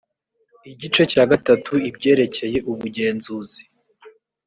igice cya gatatu ibyerekeye ubugenzuzi